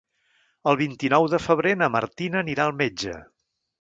El vint-i-nou de febrer na Martina anirà al metge.